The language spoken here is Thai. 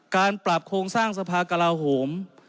การปรับโครงสร้างสภากลาโหม